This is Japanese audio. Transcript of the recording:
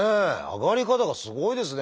上がり方がすごいですね